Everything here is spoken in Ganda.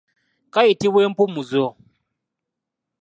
Kayitibwa empumuzo.